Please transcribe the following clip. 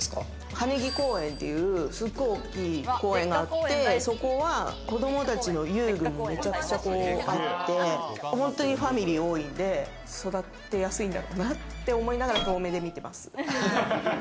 羽根木公園という、すごい大きい公園があって、そこは子供たちの遊具もめちゃくちゃあって、本当にファミリー多いんで、育てやすいんだろうなって思いながら、遠目で見てます。